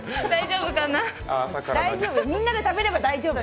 みんなで食べれば大丈夫！